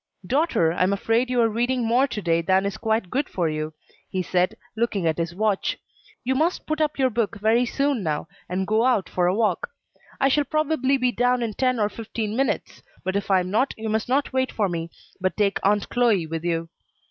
"Daughter, I am afraid you are reading more to day than is quite good for you," he said, looking at his watch. "You must put up your book very soon now, and go out for a walk. I shall probably be down in ten or fifteen minutes; but if I am not, you must not wait for me, but take Aunt Chloe with you."